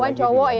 tauan cowok ya